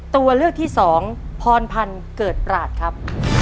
ตัวเลือกที่สองพรพันธ์เกิดปราศครับ